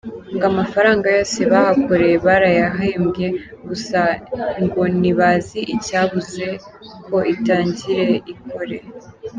Ngo amafaranga yose bahakoreye barayahembwe gusa ngo ntibazi icyabuze ko itangire ikore.